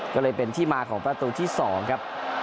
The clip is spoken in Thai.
ก็เลยเป็นที่มาของประตูที่๒ครับ